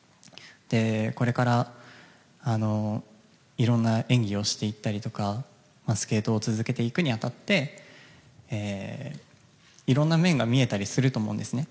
これからいろんな演技をしていったりとかスケートを続けていくに当たっていろんな面が見えたりすると思うんですね。